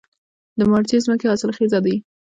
د مارجې ځمکې حاصلخیزه دي